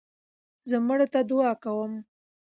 زه مړو ته دؤعا کوم.